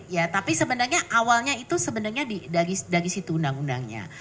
ya tapi sebenarnya awalnya itu sebenarnya dari situ undang undangnya